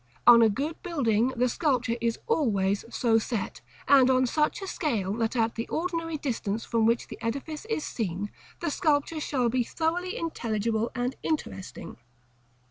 On a good building, the sculpture is always so set, and on such a scale, that at the ordinary distance from which the edifice is seen, the sculpture shall be thoroughly intelligible and interesting.